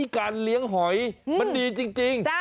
การเลี้ยงหอยมันดีจริง